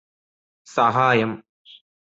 സഹായം